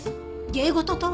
芸事とは。